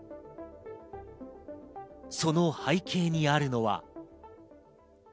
その背景にあるのは。